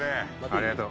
ありがとう。